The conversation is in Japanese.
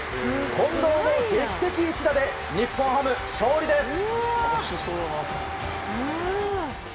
近藤の劇的一打で日本ハム、勝利です。